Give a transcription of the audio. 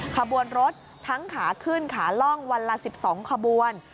ขบวนรถทั้งขาขึ้นขาล่องวันละ๑๒ขบวน